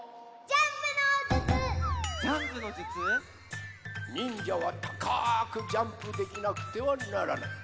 ジャンプのじゅつ？にんじゃはたかくジャンプできなくてはならない。